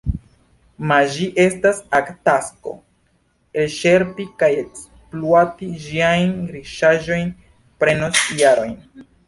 Ma ĝi estas ak tasko: elĉerpi kaj ekspluati ĝiajn riĉaĵojn prenos jarojn.